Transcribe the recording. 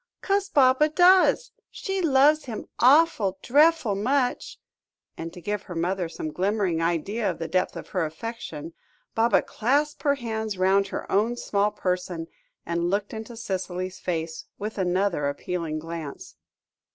"'Cos Baba does. She loves him awful, drefful much," and to give her mother some glimmering idea of the depth of her affection, Baba clasped her hands round her own small person, and looked into Cicely's face, with another appealing glance.